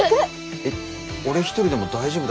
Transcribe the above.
えっ俺一人でも大丈夫だけど。